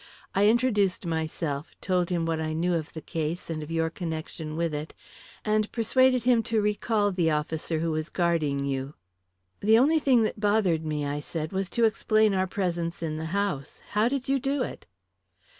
I introduced myself, told him what I knew of the case and of your connection with it, and persuaded him to recall the officer who was guarding you." "The only thing that bothered me," I said, "was to explain our presence in the house. How did you do it?"